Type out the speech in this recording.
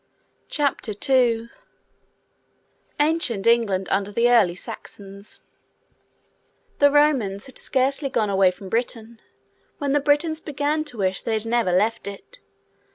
CHAPTER II ANCIENT ENGLAND UNDER THE EARLY SAXONS The Romans had scarcely gone away from Britain, when the Britons began to wish they had never left it.